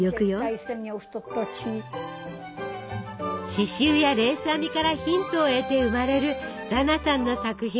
刺しゅうやレース編みからヒントを得て生まれるダナさんの作品。